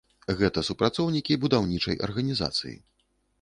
Гэта супрацоўнікі будаўнічай арганізацыі.